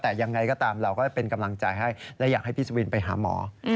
แต่ยังไงก็ตามเราก็เป็นกำลังใจให้และอยากให้พี่สวินไปหาหมอ